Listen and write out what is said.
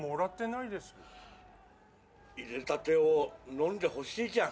いれたてを飲んでほしいじゃん。